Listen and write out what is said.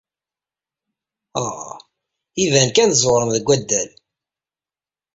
Uh, iban kan tẓewrem deg waddal.